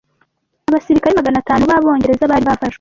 Abasirikare magana atanu b'Abongereza bari bafashwe.